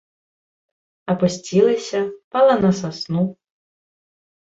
Апусцілася, пала на сасну.